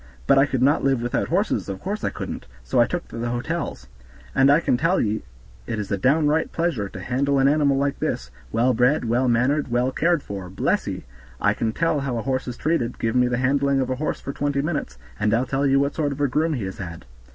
But I could not live without horses, of course I couldn't, so I took to the hotels. And I can tell ye it is a downright pleasure to handle an animal like this, well bred, well mannered, well cared for; bless ye! I can tell how a horse is treated. Give me the handling of a horse for twenty minutes, and I'll tell you what sort of a groom he has had.